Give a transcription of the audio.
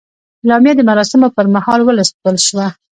اعلامیه د مراسمو پر مهال ولوستل شوه.